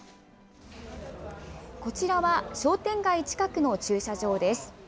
こちらは、商店街近くの駐車場です。